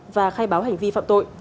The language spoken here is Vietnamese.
và khai báo hành vi phạm tội